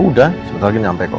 udah sebentar lagi nyampe kok